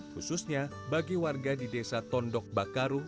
khususnya bagi warga di desa tondok bakaru